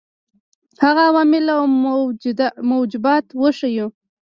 هغه عوامل او موجبات وښيیو.